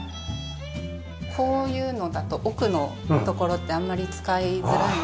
こういうのだと奥の所ってあんまり使いづらいので。